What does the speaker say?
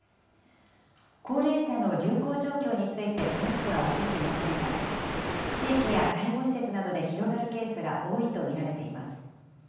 高齢者の流行状況について、詳しくは分かっていませんが、地域や介護施設などで広がるケースが多いと見られています。